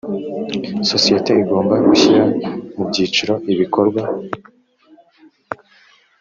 sosiyete igomba gushyira mu byiciro ibikorwa